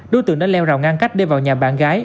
đối tượng đã leo rào ngang cách đưa vào nhà bạn gái